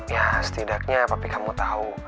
ya setidaknya papi kamu tau